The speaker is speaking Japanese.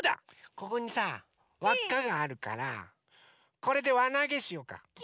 ここにさわっかがあるからこれでわなげしようか！